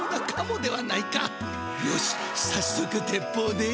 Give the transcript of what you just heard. よしさっそく鉄ぽうで。